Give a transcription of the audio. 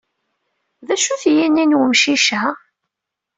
D acu-t yini n wemcic-a?